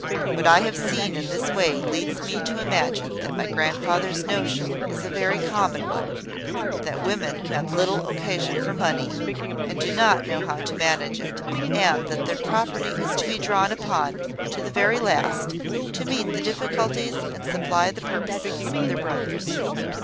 What I have seen in this way leads me to imagine that my grandfather's notion is a very common one, that women have little occasion for money, and do not know how to manage it; and that their property is to be drawn upon to the very last, to meet the difficulties and supply the purposes of their brothers.